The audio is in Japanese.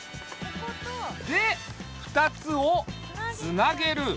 で２つをつなげる。